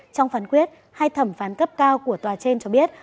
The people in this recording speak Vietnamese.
trong phán quyết hai thẩm phán cấp cao của tòa trên cho biết